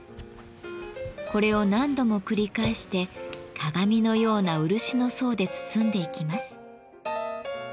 これを何度も繰り返して鏡のような漆の層で包んでいきます。